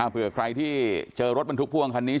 เผื่อใครที่เจอรถบันทุกภูมิกันนี้